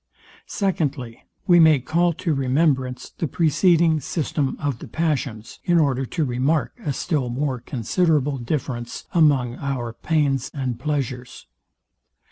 SECONDLY, We may call to remembrance the preceding system of the passions, in order to remark a still more considerable difference among our pains and pleasures.